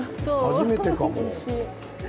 初めてかも。